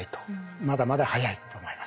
まだまだ早いと思います。